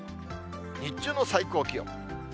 日中の最高気温。